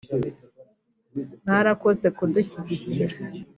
“Mwarakoze kudushyigikira